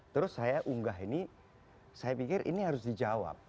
terus saya unggah ini saya pikir ini harus dijawab